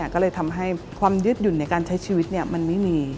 ก็เลยทำให้ความยืดหยุ่นในการใช้ชีวิตมันไม่มี